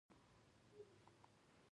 کله چې یو پانګوال یوه اندازه سپما ولري